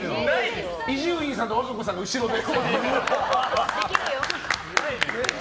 伊集院さんと和歌子さんが後ろで。